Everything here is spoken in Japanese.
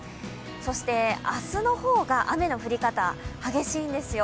そして、明日の方が雨の降り方、激しいんですよ。